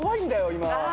今。